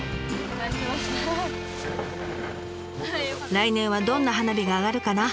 来年はどんな花火が上がるかな？